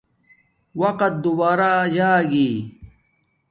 وقت دوبارہ جاگی